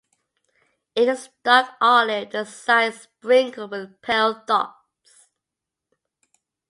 It is dark olive, the sides sprinkled with pale dots.